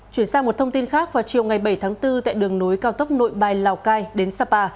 chuyển sang một thông tin khác vào chiều ngày bảy tháng bốn tại đường nối cao tốc nội bài lào cai đến sapa